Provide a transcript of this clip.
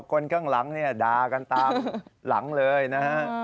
คนข้างหลังเนี่ยด่ากันตามหลังเลยนะฮะ